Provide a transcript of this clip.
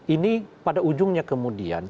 ini pada ujungnya kemudian